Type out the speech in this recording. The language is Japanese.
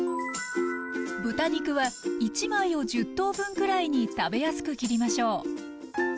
豚肉は１枚を１０等分くらいに食べやすく切りましょう。